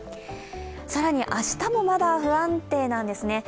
更に明日もまだ不安定なんですね。